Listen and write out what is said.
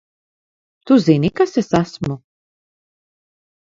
Tu zini, kas es esmu?